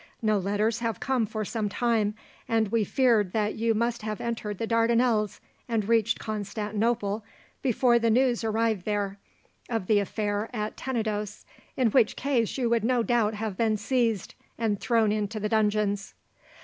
No letters have come for some time, and we feared that you must have entered the Dardanelles, and reached Constantinople, before the news arrived there of that affair at Tenedos, in which case you would no doubt have been seized and thrown into the dungeons."